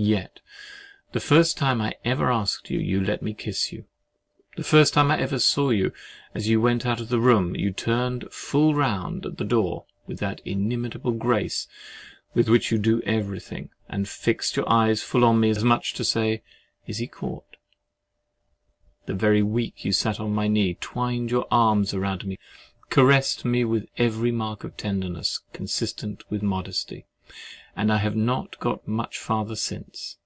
Yet the first time I ever asked you, you let me kiss you; the first time I ever saw you, as you went out of the room, you turned full round at the door, with that inimitable grace with which you do everything, and fixed your eyes full upon me, as much as to say, "Is he caught?"—that very week you sat upon my knee, twined your arms round me, caressed me with every mark of tenderness consistent with modesty; and I have not got much farther since.